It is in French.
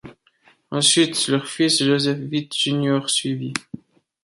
Ensuite, leur fils, Josef Witt Jr., suivi.